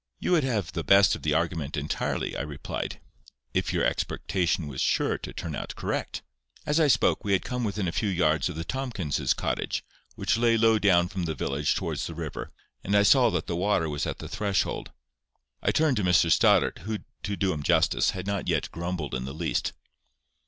"You would have the best of the argument entirely," I replied, "if your expectation was sure to turn out correct." As I spoke, we had come within a few yards of the Tomkins's cottage, which lay low down from the village towards the river, and I saw that the water was at the threshold. I turned to Mr Stoddart, who, to do him justice, had not yet grumbled in the least.